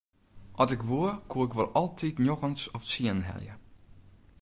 At ik woe koe ik wol altyd njoggens of tsienen helje.